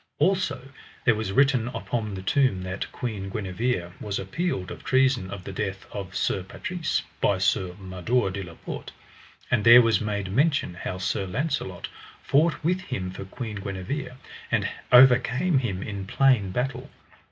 Also there was written upon the tomb that Queen Guenever was appealed of treason of the death of Sir Patrise, by Sir Mador de la Porte; and there was made mention how Sir Launcelot fought with him for Queen Guenever, and overcame him in plain battle.